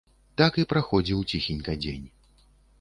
Так і праходзіў ціхенька дзень.